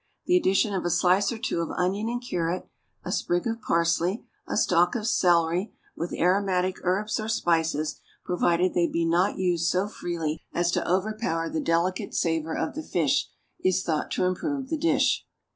The addition of a slice or two of onion and carrot, a sprig of parsley, a stalk of celery, with aromatic herbs or spices, provided they be not used so freely as to overpower the delicate savor of the fish, is thought to improve the dish.